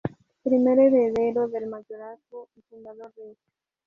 Primer heredero del Mayorazgo y fundador de este.